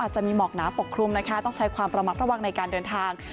จะมีหมอกหนาปกคลุมนะคะต้องใช้ความระมัดระวังในการเดินทาง